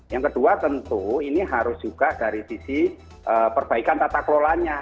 yang kedua tentu ini harus juga dari sisi perbaikan tata kelolanya